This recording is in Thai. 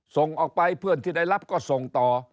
ส่งออกไปเพื่อนที่ได้รับก็ส่งต่อ